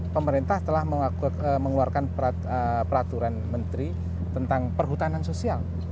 pemerintah telah mengeluarkan peraturan menteri tentang perhutanan sosial